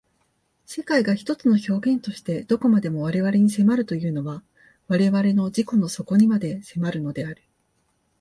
世界が一つの表現として何処までも我々に迫るというのは我々の自己の底にまで迫るのである。